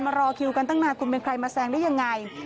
รอคิวกันตั้งนานคุณเป็นใครมาแซงได้ยังไง